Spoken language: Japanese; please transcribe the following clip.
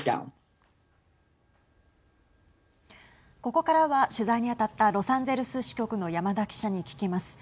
ここからは取材にあたったロサンゼルス支局の山田記者に聞きます。